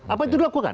apa itu dilakukan